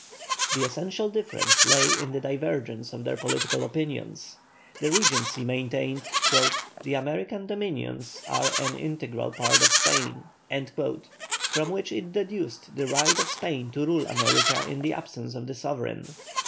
The essential difference lay in the divergence of their political opinions. The Regency maintained "The American dominions are an integral part of Spain," from which it deduced the right of Spain to rule America in the absence of the sovereign.